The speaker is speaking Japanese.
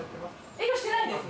営業してないです